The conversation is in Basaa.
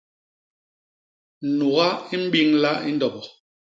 Nuga i mbiñla i ndobo.